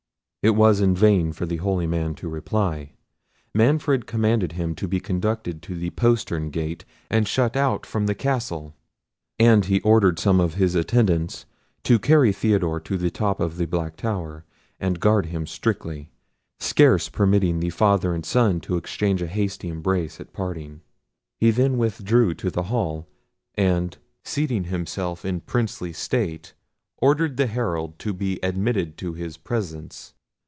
It was in vain for the holy man to reply. Manfred commanded him to be conducted to the postern gate, and shut out from the castle. And he ordered some of his attendants to carry Theodore to the top of the black tower, and guard him strictly; scarce permitting the father and son to exchange a hasty embrace at parting. He then withdrew to the hall, and seating himself in princely state, ordered the Herald to be admitted to his presence.